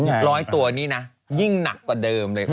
จรถร้อยตัวนี้นะยิ่งหนักกว่าเดิมเลย